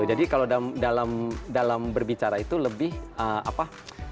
jadi kalau dalam berbicara itu lebih apa